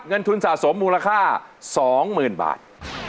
เงินทุนสะสมมูลค่า๒๐๐๐บาท